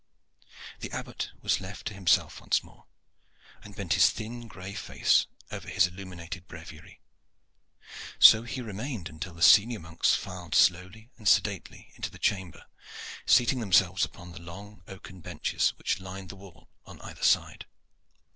The Abbot was left to himself once more, and bent his thin gray face over his illuminated breviary. So he remained while the senior monks filed slowly and sedately into the chamber seating themselves upon the long oaken benches which lined the wall on either side.